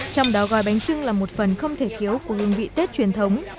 trong đó gói bánh trưng là một phần không thể thiếu của hương vị tết truyền thống